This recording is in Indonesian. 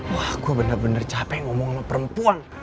wah gue bener bener capek ngomong sama perempuan